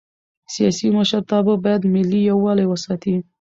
سیاسي مشرتابه باید ملي یووالی وساتي